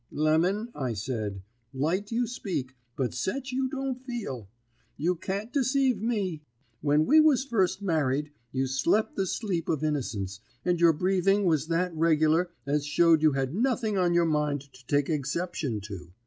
"'Lemon,' I said, 'light you speak, but sech you don't feel. You can't deceive me. When we was first married, you slep the sleep of innocence, and your breathing was that regular as showed you had nothing on your mind to take egsception to.